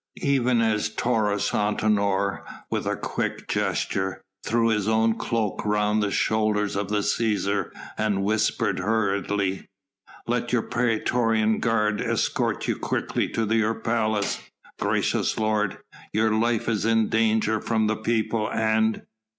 Even as Taurus Antinor, with a quick gesture, threw his own cloak round the shoulders of the Cæsar and whispered hurriedly: "Let your praetorian guard escort you quickly to your palace, gracious lord your life is in danger from the people, and...."